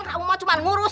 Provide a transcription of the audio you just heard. kamu mau cuma ngurus